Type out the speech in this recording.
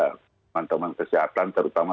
teman teman kesehatan terutama